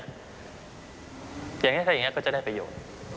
อย่างงี้ก็จะได้ประโยชน์